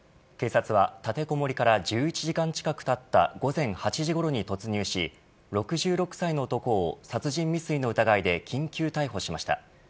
警察は立てこもりから１１時間近くたった午前８時ごろに突入し６６歳の男を殺人未遂の疑いで緊急逮捕しました。